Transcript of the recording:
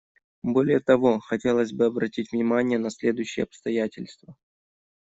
Более того, хотелось бы обратить внимание на следующие обстоятельства.